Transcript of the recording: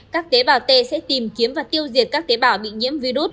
các tế bào t sẽ tìm kiếm và tiêu diệt các tế bào bị nhiễm virus